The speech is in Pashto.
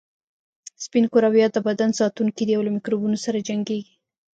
سپین کرویات د بدن ساتونکي دي او له میکروبونو سره جنګیږي